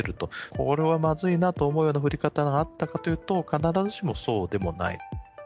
これはまずいなと思うような降り方があったかというと、必ずしもそうでもない。